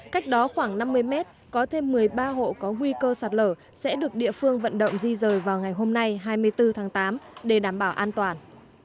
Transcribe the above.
cách đó khoảng năm mươi mét có thêm một mươi ba hộ có nguy cơ sạt lở sẽ được địa phương vận động di rời vào ngày hôm nay hai mươi bốn tháng tám để đảm bảo an toàn